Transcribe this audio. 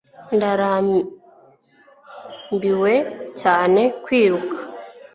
ndarambiwe cyane kwiruka